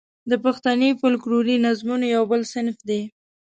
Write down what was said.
د پښتني فوکلوري نظمونو یو بل صنف دی.